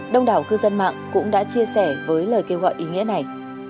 đông đảo cư dân mạng cũng đã chia sẻ với lời kêu gọi ý nghĩa này